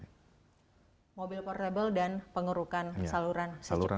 mobil portable dan pengurukan saluran